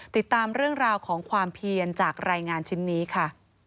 ติดตามเรื่องราวของความเพียนจากรายงานชิ้นนี้ค่ะ